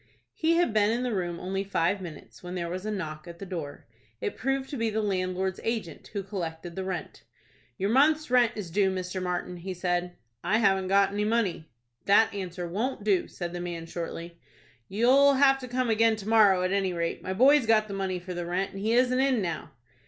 He had been in the room only five minutes, when there was a knock at the door. It proved to be the landlord's agent, who collected the rent. "Your month's rent is due, Mr. Martin," he said. "I haven't got any money." "That answer won't do," said the man, shortly. "You'll have to come again to morrow, at any rate. My boy's got the money for the rent, and he isn't in now."